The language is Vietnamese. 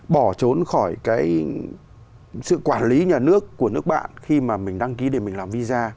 bỏ trốn khỏi cái sự quản lý nhà nước của nước bạn khi mà mình đăng ký để mình làm visa